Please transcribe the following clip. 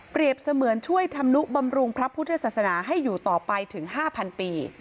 เสมือนช่วยธรรมนุบำรุงพระพุทธศาสนาให้อยู่ต่อไปถึง๕๐๐ปี